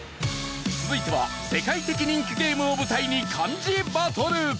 続いては世界的人気ゲームを舞台に漢字バトル！